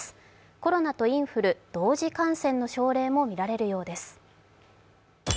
コロナとインフル、同時感染の症例も見られるようです。